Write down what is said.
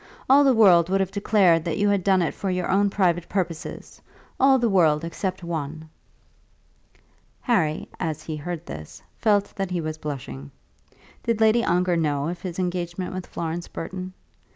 All the world would have declared that you had done it for your own private purposes; all the world, except one." Harry, as he heard this, felt that he was blushing. Did Lady Ongar know of his engagement with Florence Burton?